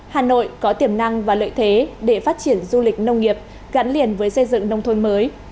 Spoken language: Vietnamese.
hà nội có tiềm năng và lợi thế để phát triển du lịch nông nghiệp gắn liền với xây dựng nông thôn mới